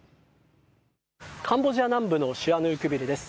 カンボジア南部のシアヌークビルです。